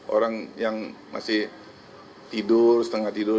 orang yang masih tidur setengah tidur